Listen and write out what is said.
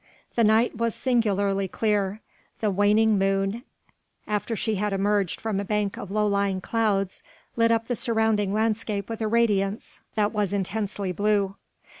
The night was singularly clear: the waning moon after she had emerged from a bank of low lying clouds, lit up the surrounding landscape with a radiance that was intensely blue.